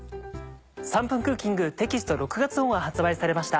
『３分クッキング』テキスト６月号が発売されました。